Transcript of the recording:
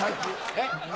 えっ？